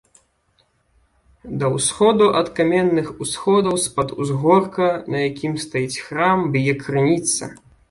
Да ўсходу ад каменных усходаў з-пад узгорка, на якім стаіць храм, б'е крыніца.